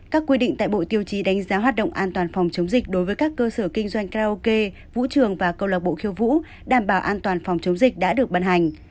các quy định tại bộ tiêu chí đánh giá hoạt động an toàn phòng chống dịch đối với các cơ sở kinh doanh karaoke vũ trường và câu lạc bộ khiêu vũ đảm bảo an toàn phòng chống dịch đã được ban hành